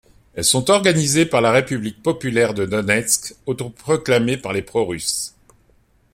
Elles sont organisées par la République populaire de Donetsk autoproclamée par les pro-russes.